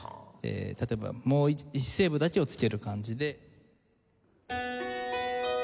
例えばもう１声部だけをつける感じで。